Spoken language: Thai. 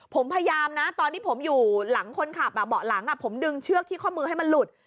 ผมพยายามนะตอนที่ผมอยู่หลังคนขับเบาะหลังผมดึงเชือกที่ข้อมือให้มันหลุด